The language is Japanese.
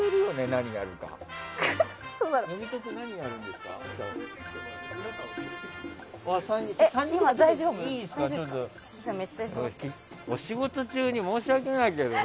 何やるか。お仕事中に申し訳ないけどね。